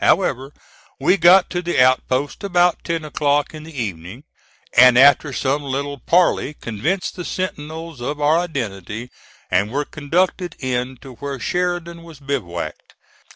However, we got to the outposts about ten o'clock in the evening, and after some little parley convinced the sentinels of our identity and were conducted in to where Sheridan was bivouacked.